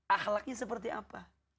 ahlaknya seperti apa